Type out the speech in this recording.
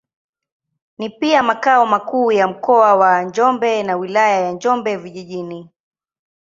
Ni pia makao makuu ya Mkoa wa Njombe na Wilaya ya Njombe Vijijini.